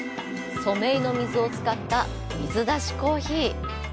「染井の水」を使った水出しコーヒー